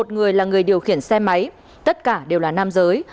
một người là người điều khiển xe máy tất cả đều là nam giới